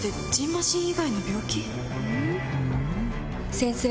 先生！